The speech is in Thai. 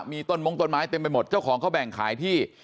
มีต้นมงต้นไม้เต็มไปหมดเจ้าของเขาแบ่งขายที่